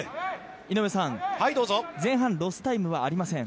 ◆井上さん、前半、ロスタイムはありません。